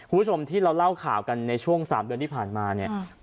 คุณผู้ชมที่เราเล่าข่าวกันในช่วง๓เดือนที่ผ่านมาเนี่ย